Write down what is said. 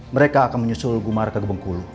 mereka akan menyusul gumar ke gebung kulu